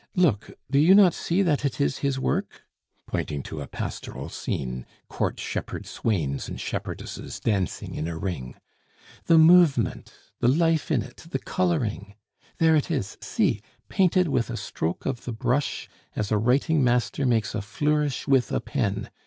Look! do you not see that it is his work?" (pointing to a pastoral scene, court shepherd swains and shepherdesses dancing in a ring). "The movement! the life in it! the coloring! There it is see! painted with a stroke of the brush, as a writing master makes a flourish with a pen.